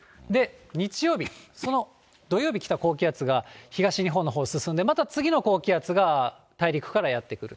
日曜日、その土曜日来た高気圧が、東日本のほう進んで、また次の高気圧が大陸からやって来る。